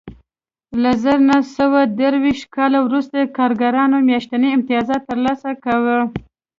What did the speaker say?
له زر نه سوه دېرش کال وروسته کارګرانو میاشتنی امتیاز ترلاسه کاوه